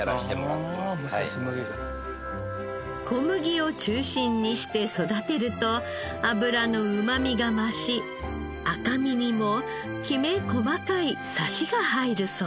小麦を中心にして育てると脂のうまみが増し赤身にもきめ細かいサシが入るそうです。